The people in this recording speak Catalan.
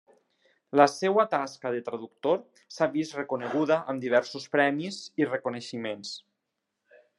La seva tasca de traductor s'ha vist reconeguda amb diversos premis i reconeixements.